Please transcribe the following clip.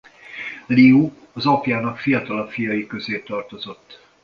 Liu az apjának fiatalabb fiai közé tartozott.